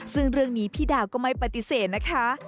ซึ่งเรื่องนี้พี่ดาวก็ไม่ปฏิเสธนะคะ